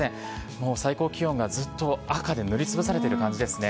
もう最高気温がずっと赤で塗りつぶされている感じですね。